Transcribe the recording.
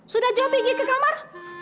sudah jho pergi ke kamar